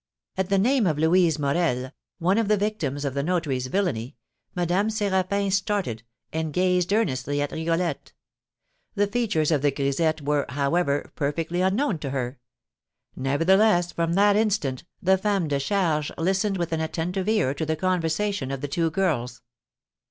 At the name of Louise Morel, one of the victims of the notary's villainy, Madame Séraphin started, and gazed earnestly at Rigolette. The features of the grisette were, however, perfectly unknown to her; nevertheless, from that instant, the femme de charge listened with an attentive ear to the conversation of the two girls.